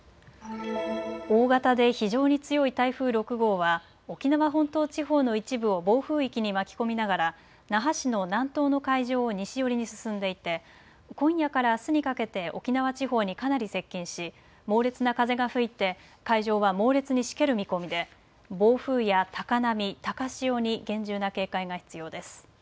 大型で非常に強い台風６号は沖縄本島地方の一部を暴風域に巻き込みながら那覇市の南東の海上を西寄りに進んでいて今夜からあすにかけて沖縄地方にかなり接近し猛烈な風が吹いて海上は猛烈にしける見込みで暴風や高波、高潮に厳重な警戒が必要です。